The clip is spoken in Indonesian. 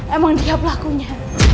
emang dia pelakunya